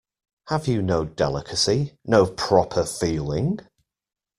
Have you no delicacy, no proper feeling?